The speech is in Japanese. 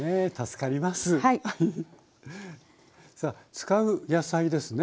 使う野菜ですね。